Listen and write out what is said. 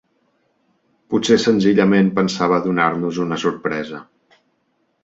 Potser senzillament pensava donar-nos una sorpresa.